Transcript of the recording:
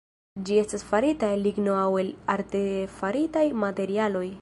Ĝi estas farita el ligno aŭ el artefaritaj materialoj.